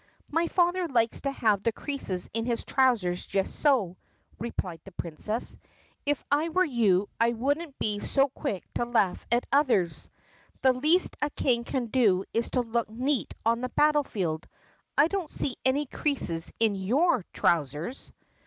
"My father likes to have the creases in his trousers just so," replied the Princess. "If I were you I would n't be so quick to laugh at others. The least a King can do is to look neat on the battle field. I don't see any creases in your trousers."